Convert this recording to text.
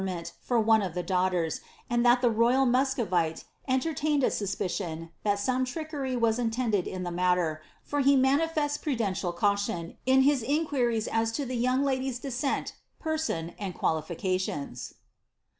t40 Itreieiit for one of the daughters, and that the royal Mascorite enter* ttined a suspicion that some trickery was intended in the matter, for he ■uiifests pmdential caution in his inquiries as to the young lady's de •cent, person, and qualifications.